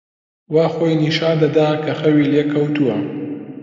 وا خۆی نیشان دەدا کە خەوی لێ کەوتووە.